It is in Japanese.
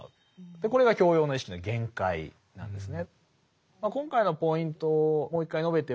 これが教養の意識の限界なんですね。